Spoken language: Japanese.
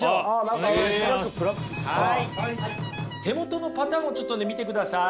手元のパターンをちょっと見てください。